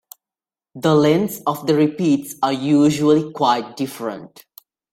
The lengths of the repeats are usually quite different.